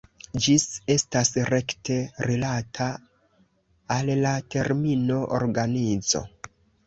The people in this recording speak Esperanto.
Ĝi estas rekte rilata al la termino "organizo".